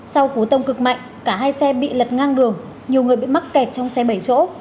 sau cú tông cực mạnh cả hai xe bị lật ngang đường nhiều người bị mắc kẹt trong xe bảy chỗ